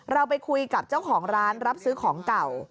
เราไปคุยกับเจ้าของร้านรับซื้อของเก่า